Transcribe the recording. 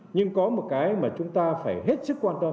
nhưng có một cái mà chúng ta phải hết sức quan tâm